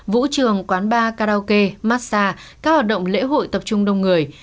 vũ trường quán bar karaoke massage các hoạt động lễ hội tập trung đông người